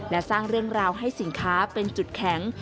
และสร้างเรื่องราวให้สินค้าเป็นจุดแข็ง